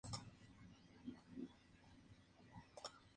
Anteriormente un reinicio fue emitido en Cartoon Network.